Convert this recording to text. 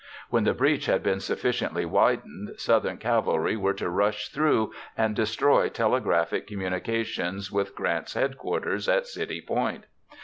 When the breach had been sufficiently widened, Southern cavalry were to rush through and destroy telegraphic communication with Grant's headquarters at City Point.